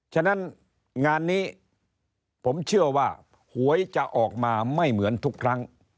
ฉะนั้นงานนี้ผมเชื่อว่าหวยจะออกมาไม่เหมือนทุกครั้ง